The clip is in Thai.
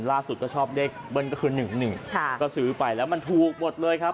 ล่าสุดก็ชอบเลขเบิ้ลก็คือหนึ่งค่ะก็ซื้อไปแล้วมันถูกหมดเลยครับ